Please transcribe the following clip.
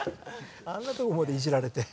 あんなとこまでいじられて。